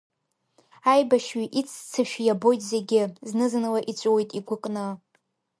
Аибашьҩы иццышә иабоит зегьы, зны-зынла иҵәыуоит игәыкны…